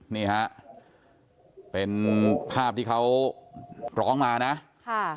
นี่ฮะเป็นภาพที่เขาร้องมานะค่ะ